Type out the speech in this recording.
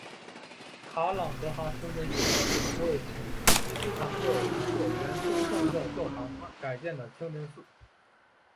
卡朗德哈清真寺是土耳其伊斯坦布尔一座原东正教教堂改建的清真寺。